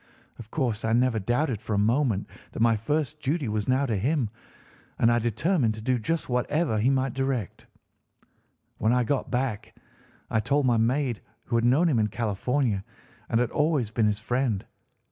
Of course I never doubted for a moment that my first duty was now to him, and I determined to do just whatever he might direct. "When I got back I told my maid, who had known him in California, and had always been his friend.